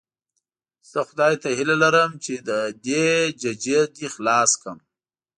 زه خدای ته هیله لرم چې له دې ججې دې خلاص کړم.